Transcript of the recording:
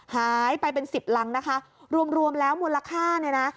หายไปเป็นสิบรังนะคะรวมรวมแล้วมูลค่าเนี่ยนะ